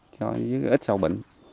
cho ít sâu bệnh